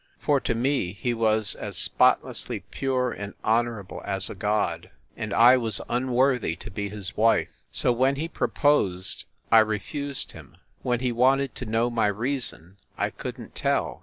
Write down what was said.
For to me he was as spotlessly pure and honorable as a god; and I was unworthy to be his wife. So when he proposed, I refused him. When he wanted to know my reason I couldn t tell.